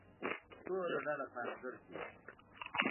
ټوله ډله په انګړ کې وه.